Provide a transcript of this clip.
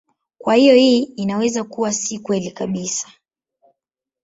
Kwa hiyo hii inaweza kuwa si kweli kabisa.